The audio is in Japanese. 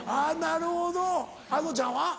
なるほどあのちゃんは？